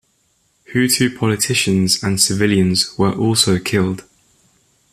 Hutu politicians and civilians were also killed.